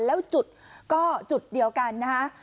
แล้วจุดก็จุดเดียวกันนะฮะ